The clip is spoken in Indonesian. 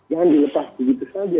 jangan dilepas begitu saja